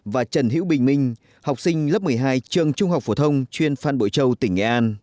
và trần hữu bình minh học sinh lớp một mươi hai trường trung học phổ thông chuyên phan bội châu tỉnh nghệ an